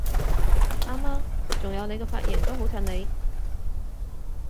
啱吖！仲有你個髮型都好襯你！